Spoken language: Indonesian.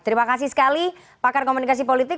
terima kasih sekali pakar komunikasi politik